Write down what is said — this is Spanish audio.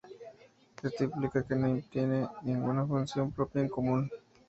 Esto implica que no tienen ninguna función propia en común.